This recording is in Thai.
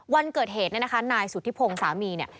วันเกิดเหตุนายสุธิพงสามี